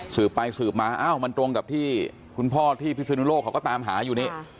สืบไปสืบมาอ้าวมันตรงกับที่คุณพ่อที่พิศนุโลกเขาก็ตามหาอยู่นี่